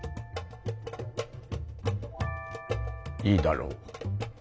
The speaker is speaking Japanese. いいだろう。